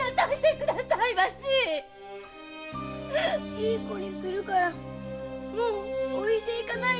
いい子にするからもう置いていかないで。